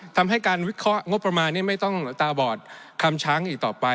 ทำให้การวิเคราะห์งบประมาณนี้ไม่ต้องตาบอดคำช้างอีกต่อไป